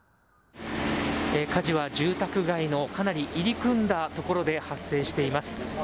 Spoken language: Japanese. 火事は、住宅街のかなり入り組んだところで発生しています。